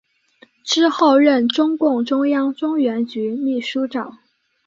之后任中共中央中原局秘书长。